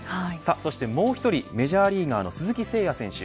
そしてもう１人メジャーリーガーの鈴木誠也選手